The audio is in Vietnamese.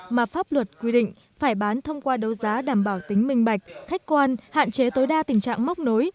mà pháp luật quy định phải bán thông qua đấu giá đảm bảo tính minh bạch khách quan hạn chế tối đa tình trạng móc nối